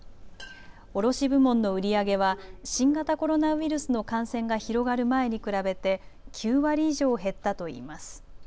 卸部門の売り上げは新型コロナウイルスの感染が広がる前に比べて９割以上減ったといいます。